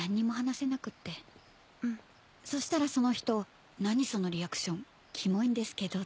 そしたらその人「何そのリアクションキモいんですけど」